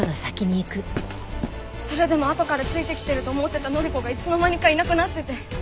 それでもあとからついてきてると思ってた範子がいつの間にかいなくなってて。